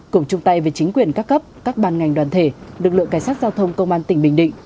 cùng chung tay với chính quyền các cấp các ban ngành đoàn thể lực lượng cảnh sát giao thông công an tỉnh bình định